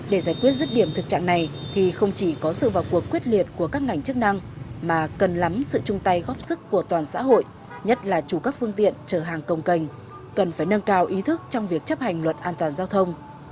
để giải quyết rứt điểm thực trạng này thì không chỉ có sự vào cuộc quyết liệt của các ngành chức năng mà cần lắm sự chung tay góp sức của toàn xã hội nhất là chủ các phương tiện chở hàng công canh cần phải nâng cao ý thức trong việc chấp hành luật an toàn giao thông